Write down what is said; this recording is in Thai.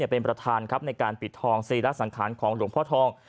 เป็นประธานครับในการปิดทองศีระสังขารของหลวงพ่อทอง